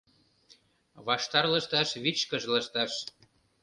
Ваштар лышташ, вичкыж лышташ